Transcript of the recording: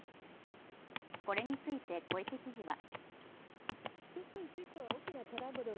これについて小池知事は。